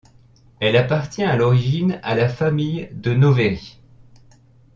Elle appartient à l'origine à la famille de Novéry.